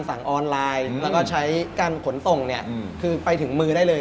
สั่งออนไลน์แล้วก็ใช้การขนส่งเนี่ยคือไปถึงมือได้เลย